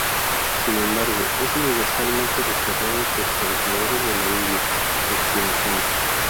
Sin embargo, es universalmente rechazado por trabajadores de la India Occidental.